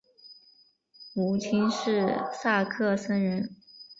母亲是萨克森人。